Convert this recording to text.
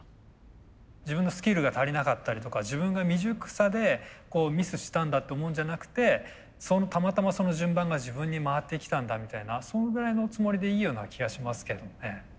自分のスキルが足りなかったりとか自分が未熟さでミスしたんだって思うんじゃなくてたまたまその順番が自分に回ってきたんだみたいなそのぐらいのつもりでいいような気がしますけどね。